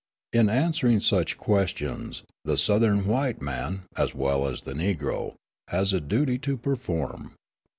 In answering such questions, the Southern white man, as well as the Negro, has a duty to perform.